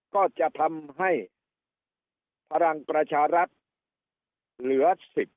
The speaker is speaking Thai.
ก็จะทำให้พลังประชารัฐเหลือ๑๐